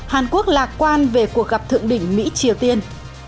hàn quốc lạc quan về cuộc gặp thượng đỉnh mỹ triều tiên